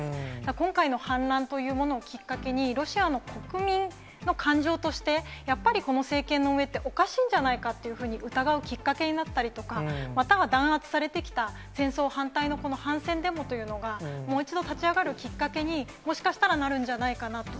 今回の反乱というものをきっかけに、ロシアの国民の感情として、やっぱりこの政権の運営っておかしいんじゃないかっていうふうに疑うきっかけになったりとか、または弾圧されてきた、戦争反対のこの反戦デモというのが、もう一度立ち上がるきっかけに、もしかしたらなるんじゃないかなと。